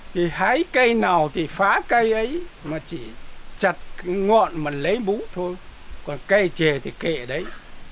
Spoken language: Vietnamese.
thì hái cây nào thì phá cây ấy mà chỉ chặt ngọn mà lấy bú thôi còn cây trề thì kệ đấy